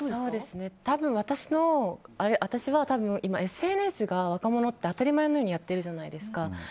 多分、私は今ＳＮＳが若者って当たり前のようにやってるじゃないですか。